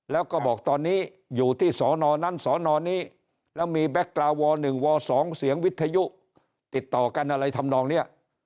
แล้วก็บอกตอนนี้อยู่ที่สอนอนั้นสนนี้แล้วมีแก๊กกราว๑ว๒เสียงวิทยุติดต่อกันอะไรทำนองเนี่ย